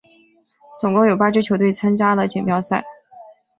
总共有八支球队参加了锦标赛。